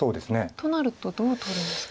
となるとどう取るんですか？